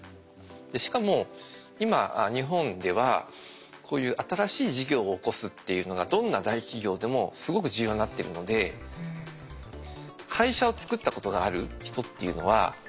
しかも今日本ではこういう新しい事業をおこすっていうのがどんな大企業でもすごく重要になってるので会社を作ったことがある人っていうのはそれだけで評価上がるんですね。